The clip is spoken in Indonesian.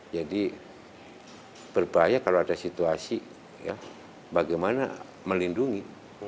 jadi berbahaya kalau ada situasi ya bagaimana melindungi